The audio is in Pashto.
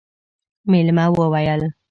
مېلمه وويل: